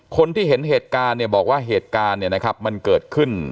คนที่เห็นเหตุการณ์เนี่ยบอกว่าเหตุการณ์เนี่ยนะครับมันเกิดขึ้น